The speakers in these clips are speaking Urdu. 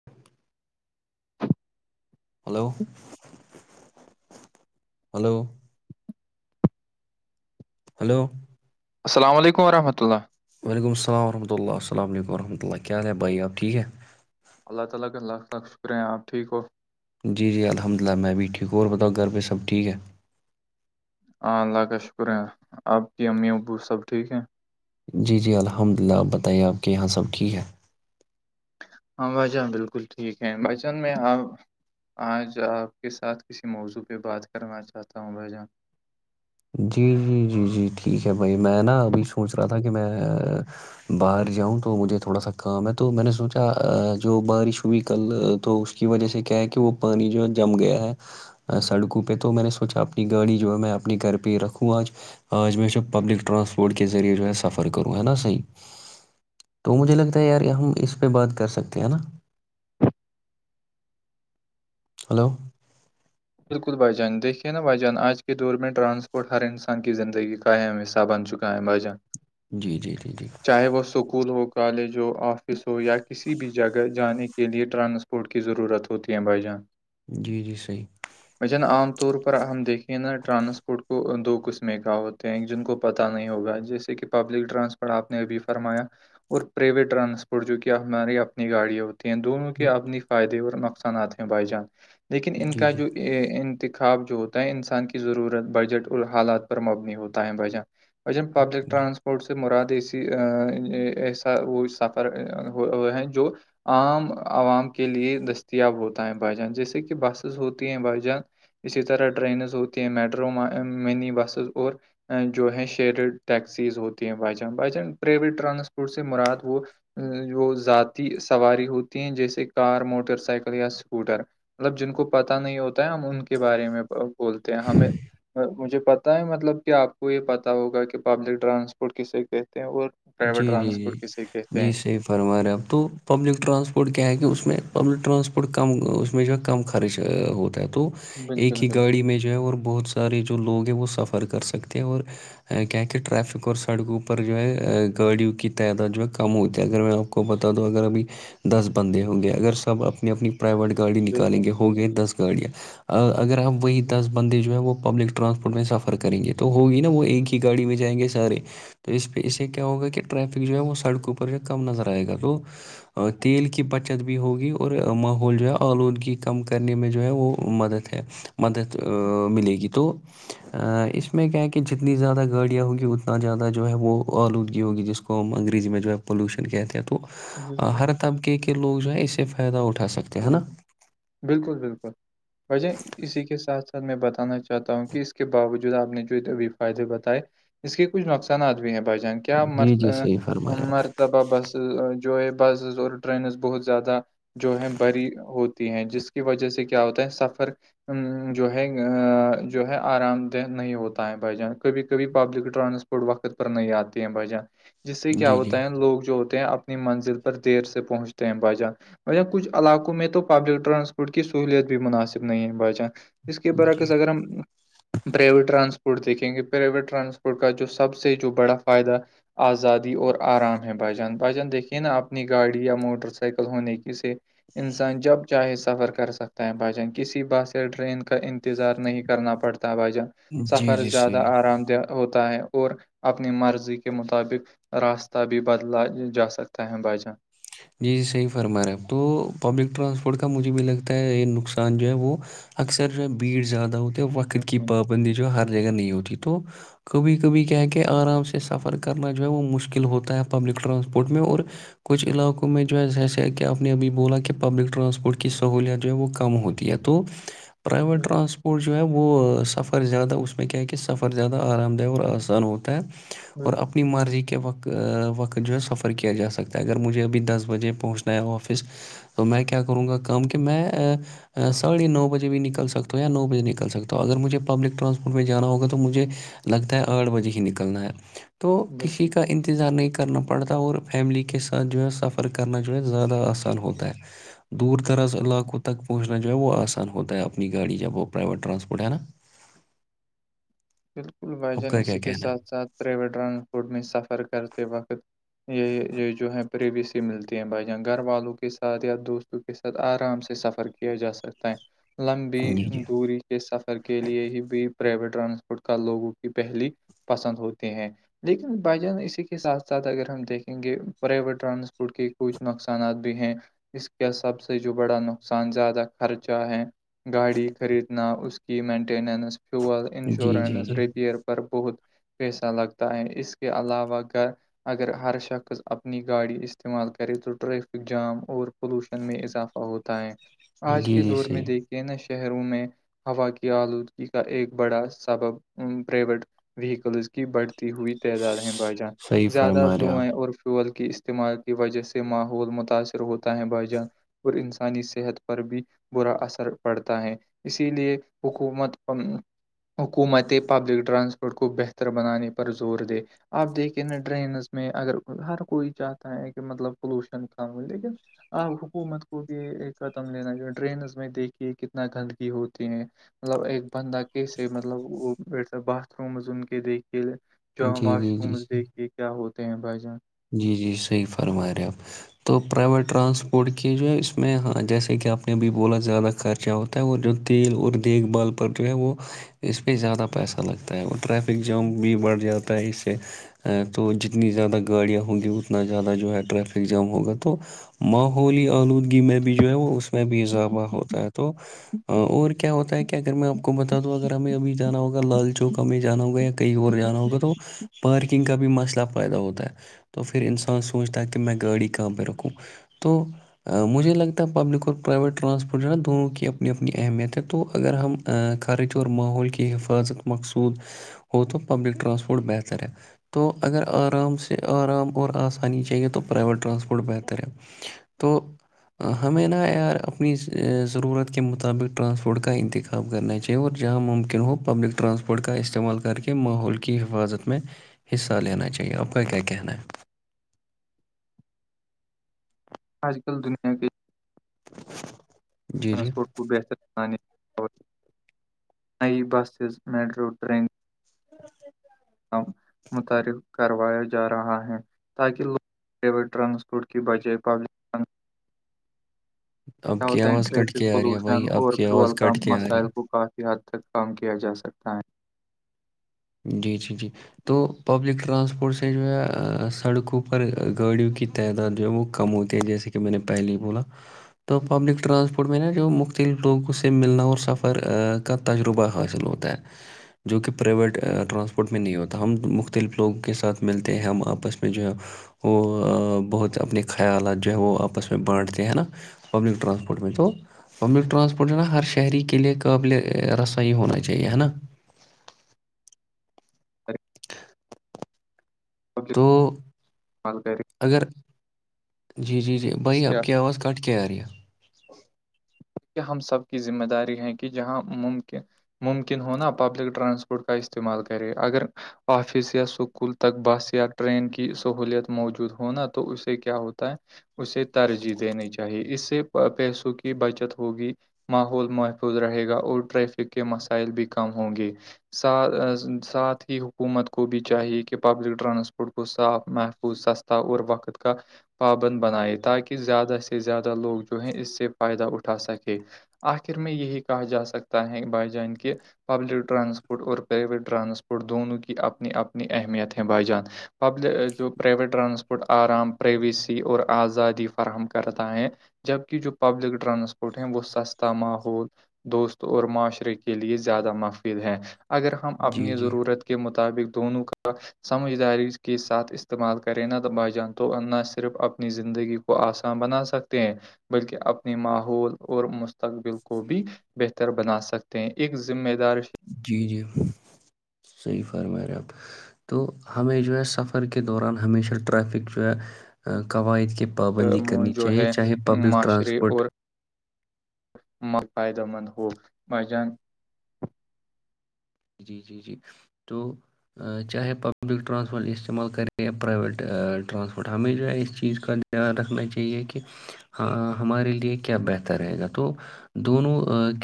[inaudible] ہلو ہلو ہلو السلام علیکم رحمۃ اللہ وعلیکم الل ورحمۃ اللہسلام علم وورحمۃ اللہ حل ہے بھائی آ ٹھیک ہے اللہ تعالی کا لاکھ لاکھ شکر ہیں اپ ٹھیک ہو جی جی الحمد للہ میں بھی ٹھیک اور بتاؤ گھر پہ سب ٹھیک ہے ہاں اللہ کا شکر ہے آپ کی امی ابو سب ٹھیک ہیں جی جی الحمد للہ آپ بتائیے آپ کے یہاں سب کی ہے ہاں بھ جان بالکل ٹھیک ہے بھ جان میں آج آپ کے ساتھ کسی موضوع پہ بات کرنا چاہتا ہوں ب جان جی جی جی جی ٹھیک ہے بھائی میں نا ابھی سوچ رہا تھا کہ میں باہر جاؤں تو مجھے تھوڑا سا کام ہے تو میں نے سوچا جو بارش ہوئی کل تو اس کی وجہ سے کیا ہے کہ وہ پانی جو ہے جم گیا ہے سڑکوں پہ تو میں نے سوچا اپنی گاڑی جو ہے میں اپنے گھر پہ پہ رکھوں آج آج میں جو پبلک ٹرانسپورٹ کے ذریعے جو ہے سفر کروں ہے نا صحی تو مجھے لگتا ہے یار ہم اس پہ بات کر سکتے ہیں نا ہلو بالکل بھ جان دیکھیے نا بائیجان آج کے دور میں ٹرانسپورٹ ہر انسان کی زندگی کا کم حساب چ کماجن جی جی جی جی چاہے وہ اسکول ہو کالج ہو آفس ہو یا کسی بھی جگہ جانے کے لیے ٹرانسپورٹ کی ضرورت ہوتی ہے بھائی جان جی جی صحیح اھ نا عام طور پر ہم دیکھیں نا ٹرانسپورٹ کو دو قسمیں کا ہوت جن کو پتا نہیں ہوگا جیسے کہ پبلک ٹرانسپورٹ آپ نے ابھی فرمایا اور پرائیویٹ ٹرانسپورٹ جو کہ ہماراری اپنی گاڑیں ہوتی ہیں دونوں کے اپنے فائدے اور نقصانات ہیں بائی جان لیکن ان کو جی جی یہ انتخاب جو ہوتا ہے انسان کی ضرورت بجٹ اور حالات پر مبنی ہوتا ہے بجہ وجن پبلک جی ٹرانسپورٹ سے مراد اسی ایسا وہ سفر ہو ہیں جو عام عوام کے لیے دستیاب ہوتا ہے بھجان جیسے کہ بسیز ہوتی ہیں بائیجان اسی طرح ٹرینز ہوتی ہیں میٹرو مینی بسز اور جو ہے شییرڈ ٹیکسیز ہوتی ہیں بھ جان بریویٹ ٹرانسپورٹ سے مراد وہ وہ ذاتی سواری ہوتی ہیں جیسے کار موٹر سائیکل یا اسکوٹر مطلب جن کو پتا نہیں ہوتا ہے ہم ان کے بارے میں بولتے ہیں ہمیں مجھے پ تیں مطلب کہ آپ کو یہ پتتا ہوگا کہ پبلک ٹرانسپورٹ کسے کہتے ہیں اور جی پرائیویٹ جی جی ٹرانسپورٹ کسے کہتے جی ہیں صحیح فرما رہا اب تو پبلک ٹرانسپورٹ کیا ہے کہ اس میں پبلک ٹرانسپورٹ کم اس میں جو کم خرچ ہوتا ہے تو ایک بالکل ہی بالکل گاڑی میں جو ہے اور بہت س سارے جو لوگ ہیں وہ سفر کر سکتے ہیں اور کیا کہ ٹریفک اور سڑکوں پرر جو ہے گاڑیوں کی تعداد جو میں کم ہوتی ہے اگر میں آپ کو بتا دوں اگر ابھی دس بندے ہوں گے اگر سب اپنی اپنی پرائیویٹ گاڑی نکالیں بالکل گے ہو گے دس گاڑیاں اگر ہمپ وہی دس بندے جو ہیں وہ پبلک ٹرانسپورٹ میں سفر کریں گے تو ہوگی نا وہ ایک ہی گاڑی میں جائیں گے سارے تو اس پہ اسے ہوگا کہ ٹریفک جو ہے وہ سڑکوں پر جو ہے کم نظر آئے گا تو تیل کی بچت بھی ہوگی اور ماحول جو ہے آلودگی کم کرنے میں جو ہے وہ مدد ہے مدد ملے گی تو اس میں کیا ہے کہ جتنی زیادہ گاڑیاں ہوگی اتنا زیادہ جو ہے وہ آلودگی ہوگی جس کو ہم انگریزی میں جو ہے پلیوشن کہتے ہیں تو بالکل بالکل ہر طبقے کے لوگ جو ہے اس سے فائدہ اٹھا سکتے ہیں نا بالکل بالکل بالکل وجہ اسی کے ساتھ ساتھ میں بتانا چاہ چاہتا ہوں کہ اس کے باوجود آپ نے جو ابھی فائدے بتائے اس کے کچھ نقصانات بھی ہیں بھائی جان کے کیا جی مرد جی صحیح فرما رہے آپ مرد طبح بسز جو ہے بسز اور رینز بہت زیادہ جو ہے بری ہوتی ہے جس کی وجہ سے کیا ہوتا ہے سفر جو ہے جو ہے آرام دہ نہیں ہوتا ہے بھائی جان کبھی کبھی پبلک ٹرانسپورٹ پوڈ وقت پر ن د تیںم وجہ جس سے کیا جی جی ہوتا ہے لوگ جو ہوتے ہیں اپنی منزل پر دیر سے پہنچتے ہیں بجان بہ کچھ علاقوں میں تو پبلک ٹرانسپورٹ کی سہولیت بھی مناسب نہیں ہے بھچان اس کے جی برعکس اگر ہم پرائیویٹ ٹرانسپورٹ دیکھیں گے پرائیویٹ ٹرانسپورٹ کا جو سب سے جو بڑا فائدہ آزادی اور آرام ہے بھجان بھجان دیکھیے نا اپنی گاڑی یا موٹر سائیکل ہونے کی سے انسان جب چاہے سفر کر سکتا ہے بھائی جان کسی بات سے ٹرین کا انتظار نہیں کرنا پڑتا بھائی جان جی سفر جی زیادہ صحیح آرام دہ ہوتا ہے اور اپنی مرضی کے مطابق راستہ بھی بدلا جا سکتا ہے بجان جی جی صحیح فرما رہا ہے ا تو پبلک ٹرانسپورٹ کا مجھے بھی لگتا ہے یہ نقصان جو ہے وہ اکثر جو ہے بھیڑ زیادہ ہوتی ہے وقت کی بالکل پابندی جو ہے ہر جگہ نہیں ہوتی تو کبھی کبھی کیا ہے کہ آرام سے سفر کرنا جو ہے وہ مشکل ہوتا ہے پبلک ٹرانسپورٹ میں اور کچھ علاقوں میں جو ہے جیسے کہ آپ نے ابھی بولا کہ پبلک ٹرانسپورٹ کی سہوللیت جو ہے وہ کم ہوتی ہے تو پرائیویٹ ٹرانسپ اور جو ہے وہ سفر زیادہ اس میں کیا ہے کہ سفر زیادہ آرام دہ اور آسان ہوتا ہے اور بالکل اپنی مرضی کے و وقت جو ہے سفر کیا جا سکتا اگر مجھے ابھی دس بجے پہنچنا ہے آفس تو میں کیا کروں گا کام کہ میں ساڑھے نو بجے بھی نکل سکتا ہو یا نو بجے نکل سکتا ہو اگر مجھے پبلک ٹرانسپورٹ میں جانا ہوگا تو مجھے لگتا ہے آٹھ بجے ہی نکلنا ہے تو کسی بالکل کا انتظار نہیں کرنا پڑتا اور فیملی کے کے ساتھ جو ہے سفر کرنا جو ہے زیادہ آسان ہوتا ہے دور دراز علاقوں تک پہنچنا جو ہے وہ آسان ہوتا ہے اپنی گاڑی جب وہ پرائیویٹ ٹرانسپورٹ ہے نا بالکل بھائی آپ جان کا کیا اسی کے کہنا ساتھ ساتھ پائیویٹ ٹرانسپورٹ میں سفر کرتے وقت یہ یہ جو ہے پریویسی ملتی ہیں بھائی جان گھر والوں کے ساتھ یا دوست کے ساتھ آرام سے سفر کیا جا سکتا ہے لمبی ہے جی جی دوری کے سفر کے لیے ہی بھی پرائیویٹ ٹرانسپورٹ کا لوگوں کی پہلی پسند ہوتے ہیں لیکن ب جان اسی کے ساتھ ساتھ اگر ہم دیکھیں گے پرائیویٹ ٹرانسپورٹ کے کچھ نقصانات بھی ہیں اس کا سب سے جو بڑا نقصان زیادہ خرچہ ہے گاڑی خریدنا اس کی مینٹیننس فیول جی جی انشورنس ریپیئر پر بہت پیسہ لگتا ہے اس کے علاوہ گھر اگر ہر شخص اپنی گاڑی استعمال کرے تو ریفک جام اور پولوشن میں اضافہ ہوتا ہے جی آج جی کے جی دور میں صحیح دیکھے نا شہروں میں ہوا کی آلودگی کا ایک بڑا سبب پرائیویٹ ویکلز کی بڑھتی ہوئی تعداد ہے ب جان صحیح زیادہ فرما رہے دھوئیں آپ اور فیول کی اس استعمال کی وجہ سے ماحول متاثر ہوتا ہے بھائی جان اور انسانی صحت پر بھی برا اثر پڑتا ہے اسی لیے حکومت حکومت پبلک ٹرانسپورٹ کو بہتر بنانے پر زور دے آپ دیکھیں نا ڈرینز میں اگر ہر کوئی چاہتا ہے کہ مطلب پولوشن کم ہو لیکن آپ حکومت کو بھی قدم لینا جواہ ڈرینز میں دیکھیے کتنا گندگی ہوتی ہیں مطلب ایک بندہ کیسے مطلب وہ باتھ رومز ان کے دیکھ کے جواں جی واش جی رومز جی دیکھے کیا ہوتے ہیں بھائی جان جی جی صحیح فرما رہے ہیں آپ تو پرائیویٹ ٹرانسپورٹ کی جو ہے اس میں ہاں جیسے کہ آپ نے بھی بولا زیادہ خر خا ہوتا ہے اور جو تیل اور دیکھ بھال پر جو ہے وہ اس پہ زیادہ پیسہ لگتا ہے اور ٹریفک جام بھی بڑھ جاتا پر اس سے تو جتنی زیادہ گاڑیاں ہوں گی اتنا زیادہ جو ہے ٹریفک جام ہوگا تو ماحولی آلودگی میں بھی جو ہے وہ اس میں بھی اضافہ ہوتا ہے تو اور کیا ہوتا ہے کہ اگر میں آپ کو بتا دوں اگر ہمیں ابھی جانا ہوگا لال چوک میں جانا ہوگا یا کہیں اور جانا ہوگا تو پارکنگ کا بھی مسئلہ پائیدا ہوتا ہے تو پھر انسان سوچتا ہے کہ میں گاڑی کہاں پہ رکوں تو مجھے لگتا ہے پبلک اور پرائیویٹ ٹرانسپورٹ جو ہے نا دونوں کی اپنی اپنی اہمیت ہے تو اگر ہم خرچ اور ماحول کی حفاظت مقصود ہو تو پبلک ٹرانسپورٹ بہتر ہے تو اگر آرام سے آرام اور آسانی چاہیے تو پرائیویٹ ٹرانسپورٹ بہتر ہے تو ہمیں نہا یار اپنی ضرورت کے مطابق ٹرانسپورٹ کا انتخاب خاب کرنا چاہیے اور جہاں ممکن ہو پبلک ٹرانسپورٹ کا استعمال کر کے ماحول کی حفاظت میں حصہ لینا چاہیے آ کو کیا کہنا ہے اج کل دنیا کے ہے جی جی ٹرانسپورٹ بہتر س نئی بسز میٹرو ٹرین ج متعارف کروایا جا رہا ہے تاکہوگ پی ٹرانسپورٹ کی بجائے پک آپ کیا کی ہوتاائ آواز کٹ ٹریفک کے آ رہی ہے پولوشن بھائی آپ اور کی آواز فیول کا کٹ کے آ رہی مسائل کو کافی حد تک کام کیا جا سکتا ہے جی جی جی تو پبلک ٹرانسپورٹ سے جو ہے سڑکوں پر گاڑیوں کی تعداد جو ہے وہ کم ہوتی ہے جیسے کہ میں نے پہلے ہی بولا تو پبلک ٹرانسپورٹ میں نا جو مختلف لوگوں سے ملنا اور سفر کا تجربہ حاصل ہوتا ہے جو کہ پرائیویٹ ٹرانسپورٹ میں نہیں ہوتا ہم مختلف لوگوں کے ساتھ ملتے ہیں ہم آپس میں جو ہے وہ بہت اپنے خیالات جو ہے وہ آپس میں بانٹتے ہیں نا پبلک رانسپورٹ منتو پبلک ٹرانسپورٹ جو ہے نا ہر شہری کے لیے قابل رسائی ہونا چاہیے ہے نا ہے پبلک تو استعمال اگر جی جی جی بھائی کریں آپ کی آواز کاٹ کیرییا کہ ہم سب کی ذمہ داری ہے کہ جہاں ممکن ممکن ہونا پبلک ٹرانسپورٹ کا استعمال کرے اگر آفس یا اسکول تک بس یا ٹرین کی سہوولت موجود ہوناا تو اسے کیا ہوتا ہے اسے ترجیح دینی چاہیے اس سے پیسوں کی بچت ہوگی ماحول محفوظ رہے گا اور ٹریفک کے مسائل بھی کم ہوں گے ساتھ ہی حکومت کو بھی چاہیے کہ پبلک ٹرانسپورٹ کو صاف محف وہ سستا اور وقت کا پابند بنائے تاکہ زیادہ سے زیادہ لوگ جو ہے اس سے فائدہ اٹھا سکے آخر میں یہی کہا جا سکتا ہے بھائی جان کے پبلک ٹرانسپورٹ اور پرائیویٹ ٹرانسپورٹ دونوں کی اپنی اپنی اہمیت ہیں بائی جان پبل جو پرائیویٹ ٹرانسپورٹ آرام پرائیویسی اور آزادی فراہم کرتا ہے جبک جو پبلک ٹرانسپورٹ اٹھےیں وہ سستا ماحول دوست اور معاشرے کے لیے زیادہ مفید ہے اگر ہم جی اپنی جی ضرورت کے مطابق دونوں کا سمجھداری کے ساتھ استعمال کریں نہب جان تو نہ صرف اپنی زندگی کو آسان بنا سکتے ہیں بلکہ اپنے ماحول اور مستقبل کو بھی بہتر بنا سکتے ہیں ایک ذمہ دار جی جی صحیح فرما رہے آپ تو ہمیں جو ہے سفر کے دوران ہمیشہ ٹریفک جو ہے قواعد کے پابندی کرنی جو چاہیے ہے چاہے پبلک ٹرانسپورٹ م فائدہ مند ہو مج جی جی جی تو چاہے پبلک رانسپورٹ استعمال کرےیا پراویٹ رانسپورٹ ہمیشہ اس چیز کا خیاان رکھنا چاہیے کہ ہاں ہمارے لیے کیا بہتر رہے گا تو دونوں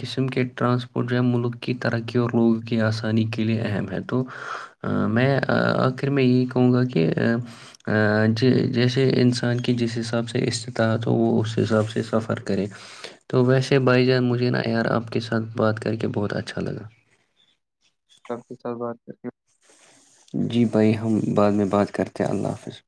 قسم کے ٹرانسپورٹ جو ہے ملک کی ترقی اور لوگ کی آسانی کے لیے اہم ہے تو میں آخر میں یہی کہوں گا کہ ج جیسے انسان کی جس حساب سے استطاعت ہو وہ اس حساب سے سفر کرے تو ویسے بائی جان مجھے نا یار آپ کے ساتھ بات کر کے بہت اچھا لگا [inaudible] کاف کے ساتھ بات کر کے جی بھائی ہم بعد میں بات کرتے ہیں اللہ حافظ